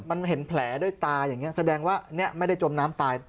มันเห็นแผลด้วยตาอย่างนี้แสดงว่าเนี่ยไม่ได้จมน้ำตาย